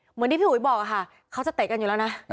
เหมือนที่พี่อุ๋ยบอกค่ะเขาจะเตะกันอยู่แล้วนะ